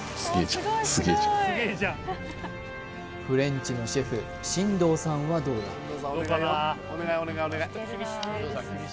フレンチのシェフ進藤さんはどうだ？